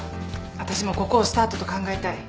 私もここをスタートと考えたい。